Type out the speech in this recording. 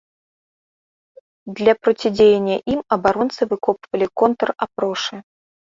Для процідзеяння ім абаронцы выкопвалі контр-апрошы.